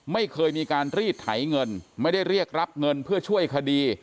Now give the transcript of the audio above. ไม่เคยมีการรีดไถเงินไม่ได้เรียกรับเงินเพื่อช่วยคดี